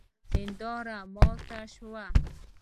هنداره ماته سوه